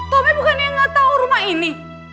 tapi bukan yang gak tahu rumah ini